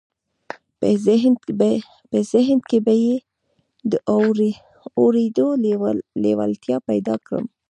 په ذهن کې به یې د اورېدو لېوالتیا پیدا کړم